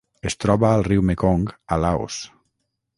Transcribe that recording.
Es troba al riu Mekong a Laos.